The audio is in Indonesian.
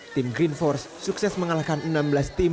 tim green force sukses mengalahkan enam belas tim